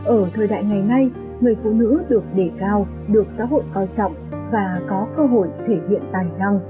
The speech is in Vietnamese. ở thời đại ngày nay người phụ nữ được đề cao được xã hội coi trọng và có cơ hội thể hiện tài năng